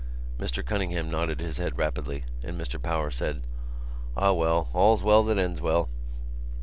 Mr Cunningham nodded his head rapidly and Mr Power said: "Ah, well, all's well that ends well."